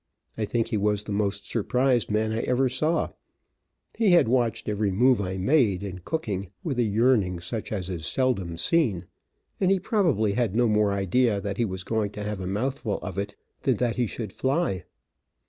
I think he was the most surprised man I ever saw, He had watched every move I made, in cooking, with a yearning such as is seldom seen, and he probably had no more idea that he was going to have a mouthful of it, than that he should fly.